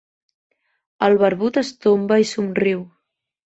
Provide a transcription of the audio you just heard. El barbut es tomba i somriu.